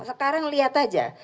sekarang lihat aja